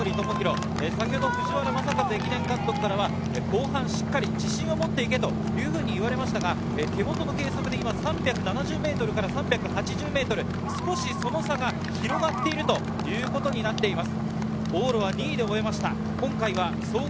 ４年生の千守倫央、先ほど藤原正和駅伝監督からは後半しっかり自信を持って行けというふうに言われましたが、手元の計測で３７０ｍから３８０ｍ、少しその差が広がっているということになっています。